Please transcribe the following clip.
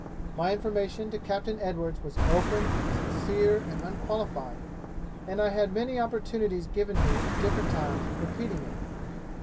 My information to Captain Edwards was open, sincere, and unqualified, and I had many opportunities given me at different times of repeating it.